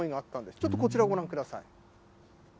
ちょっとこちらをご覧ください。